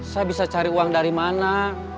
saya bisa cari uang dari mana